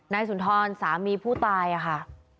สุนทรสามีผู้ตายค่ะ